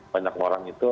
banyak orang itu